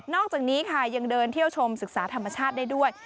อกจากนี้ค่ะยังเดินเที่ยวชมศึกษาธรรมชาติได้ด้วย